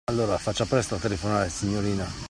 Allora, faccia presto a telefonare, signorina!